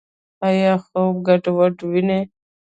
ایا خوب ګډوډ وینئ؟